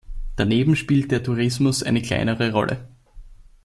Daneben spielt der Tourismus eine kleinere Rolle.